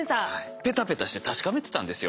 ペタペタして確かめてたんですよ私たち。